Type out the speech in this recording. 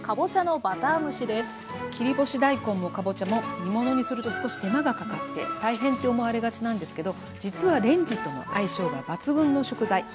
切り干し大根もかぼちゃも煮物にすると少し手間がかかって大変って思われがちなんですけど実はレンジとの相性が抜群の食材。